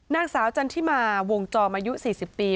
นางสาวจันทิมาวงจอมอายุ๔๐ปี